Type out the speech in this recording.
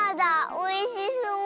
おいしそう！